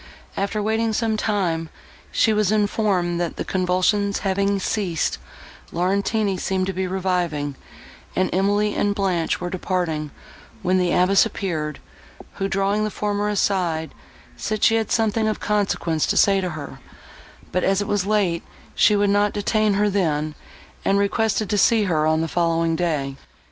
After waiting some time, she was informed, that, the convulsions having ceased, Laurentini seemed to be reviving, and Emily and Blanche were departing, when the abbess appeared, who, drawing the former aside, said she had something of consequence to say to her, but, as it was late, she would not detain her then, and requested to see her on the following day.